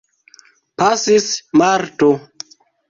Pasis marto.